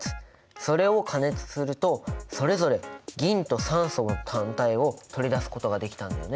それを加熱するとそれぞれ銀と酸素の単体を取り出すことができたんだよね。